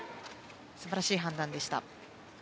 素晴らしい判断でした。